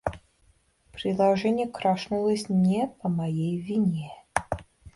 Приложение крашнулось не по моей вине.